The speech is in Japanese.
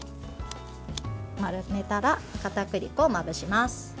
丸めたらかたくり粉をまぶします。